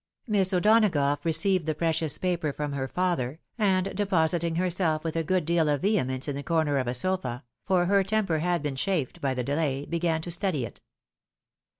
jMiss O'Donagough received the precious paper from her fether, and depositing herself with a good deal of vehemence in the corner of a sofa (for her temper had been chafed by the delay) began to study it.